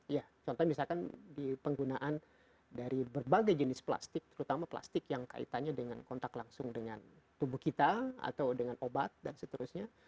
ya contohnya misalkan di penggunaan dari berbagai jenis plastik terutama plastik yang kaitannya dengan kontak langsung dengan tubuh kita atau dengan obat dan seterusnya